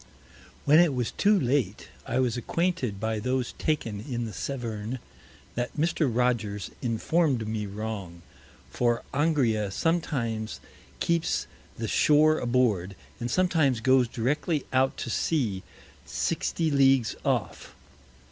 When it was too late, I was acquainted by those taken in the Severn, that Mr. Rogers inform'd me wrong; for Angria sometimes keeps the Shore aboard, and sometimes goes directly out to Sea 60 Leagues off.